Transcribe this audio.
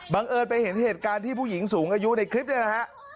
เอิญไปเห็นเหตุการณ์ที่ผู้หญิงสูงอายุในคลิปเนี่ยนะฮะ